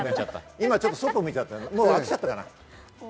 今ちょっとそっぽ向いて、飽きちゃったかな？